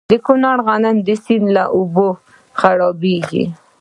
د کونړ غنم د سیند له اوبو خړوبیږي.